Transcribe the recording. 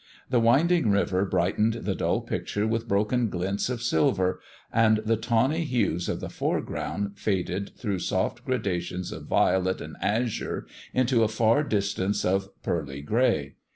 The winding river brightened the dull picture with broken glints of silver, and the tawny hues of the foreground faded through soft gradations of violet and azure into a far distance of pearly grey.